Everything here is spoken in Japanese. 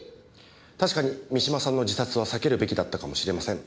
確かに三島さんの自殺は避けるべきだったかもしれません。